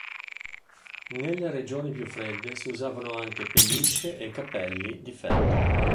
Nelle regioni più fredde si usavano anche pellicce e cappelli di feltro.